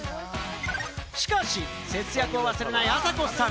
しかし節約を忘れない朝子さん。